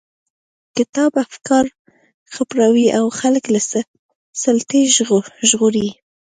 کتاب افکار خپروي او خلک له سلطې ژغوري.